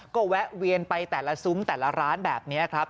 ก็แวะเวียนไปแต่ละซุ้มแต่ละร้านแบบนี้ครับ